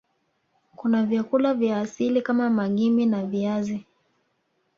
Kuna vyakula vya asili kama Magimbi na viazi